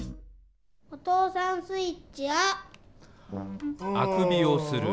おとうさんスイッチ「あ」。